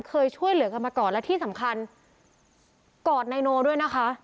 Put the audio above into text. เคยช่วยเหลือกันมาก่อนและที่สำคัญกอดนายโนด้วยนะคะ